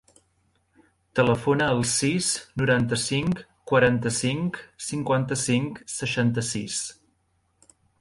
Telefona al sis, noranta-cinc, quaranta-cinc, cinquanta-cinc, seixanta-sis.